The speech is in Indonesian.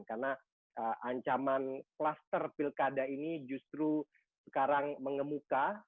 karena ancaman kluster pilkada ini justru sekarang mengemuka